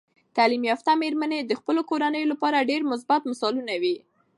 تعلیم یافته میرمنې د خپلو کورنیو لپاره ډیر مثبت مثالونه وي.